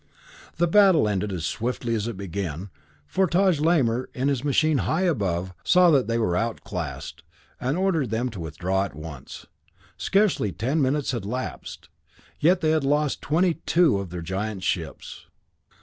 The battle ended as swiftly as it began, for Taj Lamor, in his machine high above, saw that they were outclassed, and ordered them to withdraw at once. Scarcely ten minutes had elapsed, yet they had lost twenty two of their giant ships.